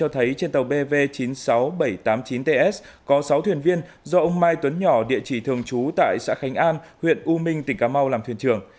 tàu bv chín nghìn sáu trăm tám mươi chín ts có sáu thuyền viên do ông mai tuấn nhỏ địa chỉ thường trú tại xã khánh an huyện u minh tỉnh cà mau làm thuyền trưởng